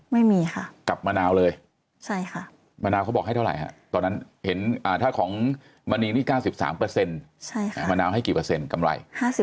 ไม่มีค่ะกับมะนาวเลยมะนาวเขาบอกให้เท่าไหร่ฮะตอนนั้นเห็นถ้าของมณีนี่๙๓มะนาวให้กี่เปอร์เซ็นกำไร